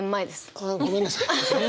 あっごめんなさい。